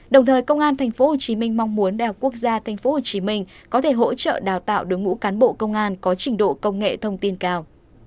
đồng thời công an tp hcm mong muốn đại học quốc gia tp hcm có thể hỗ trợ đào tạo đối ngũ cán bộ công an có trình độ công nghệ thông tin cao